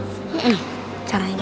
nih caranya gini